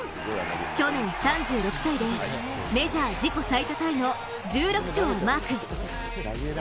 去年、３６歳でメジャー自己最多タイの１６勝をマーク。